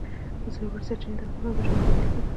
ژورې سرچینې د افغانستان د جغرافیې بېلګه ده.